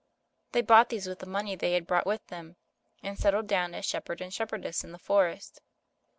They bought these with the money they had brought with them, and settled down as shepherd and shepherdess in the forest.